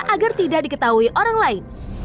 agar tidak diketahui orang lain